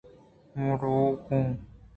من ورگ ءَ ور آں